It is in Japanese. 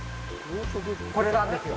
これなんですよ。